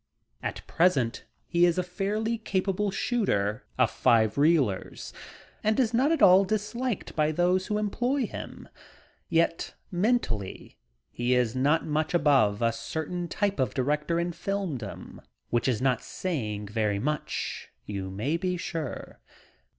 At present he is a fairly capable "shooter" of five reelers and is not at all disliked by those who employ him. Yet mentally he is not much above a certain type of director in filmdom, which is not saying very much, you may be sure.